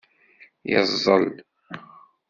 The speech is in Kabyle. Yeẓẓel.